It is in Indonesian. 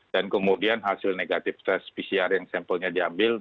dan kemudian hasil negatif test pcr yang sampelnya diambil